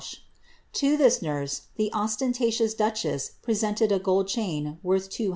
To thk nurse the ■■htioos duchess presented a gold chain worth 2002.